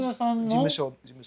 事務所！